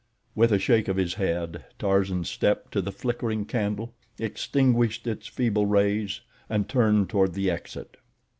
With a shake of his head, Tarzan stepped to the flickering candle, extinguished its feeble rays and turned toward the exit.